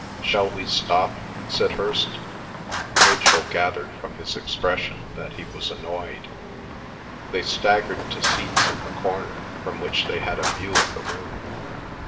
"Shall we stop?" said Hirst. Rachel gathered from his expression that he was annoyed. They staggered to seats in the corner, from which they had a view of the room.